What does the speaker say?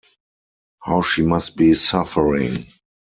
How she must be suffering!